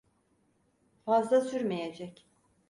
Fazla sürmeyecek.